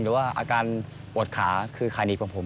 หรือว่าอาการอดขาคือคายนี้ของผม